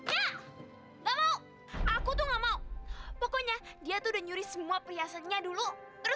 aku bahkan beberapa hari sudah juga punya dia ministry tapi disini cuma ada dua ya paling cuma aja